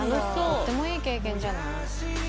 とってもいい経験じゃない。